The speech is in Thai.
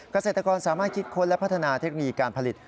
เกษตรกรสามารถคิดค้นและพัฒนาเทคโนโลยีการผลิต